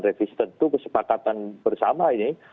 revisi tentu kesepakatan bersama ini